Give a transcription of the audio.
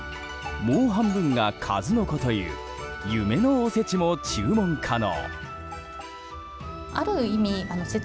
もう半分が数の子という夢のおせちも注文可能。